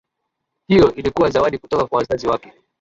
hiyo ilikuwa zawadi kutoka kwa wazazi wake